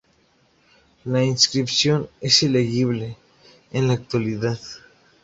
La inscripción es ilegible en la actualidad.